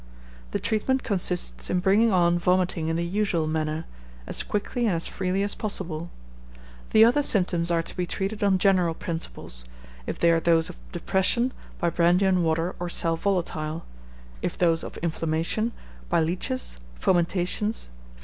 The treatment consists in bringing on vomiting in the usual manner, as quickly and as freely as possible. The other symptoms are to be treated on general principles; if they are those of depression, by brandy and water or sal volatile; if those of inflammation, by leeches, fomentations, fever mixtures, &c.